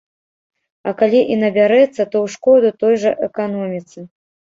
А калі і набярэцца, то ў шкоду той жа эканоміцы.